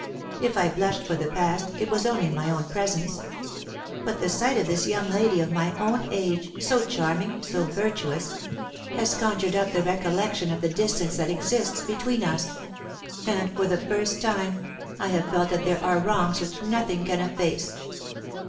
If I blushed for the past it was only in my own presence. But the sight of this young lady of my own age, so charming, so virtuous, has conjured up the recollection of the distance that exists between us; and, for the first time, I have felt that there are wrongs which nothing can efface.